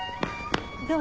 どう？